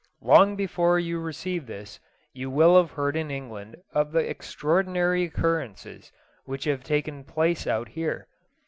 Long before you receive this you will have heard in England of the extraordinary occurrences which have taken plate out here.